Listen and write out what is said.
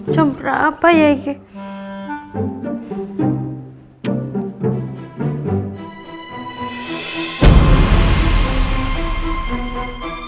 coba berapa ya ini